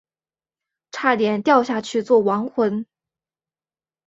差点掉下去做亡魂